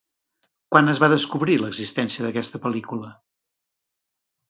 Quan es va descobrir l'existència d'aquesta pel·lícula?